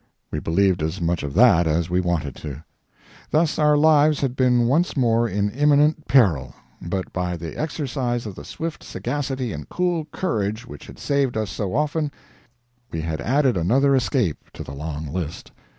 We believed as much of that as we wanted to. Thus our lives had been once more in imminent peril, but by the exercise of the swift sagacity and cool courage which had saved us so often, we had added another escape to the long list.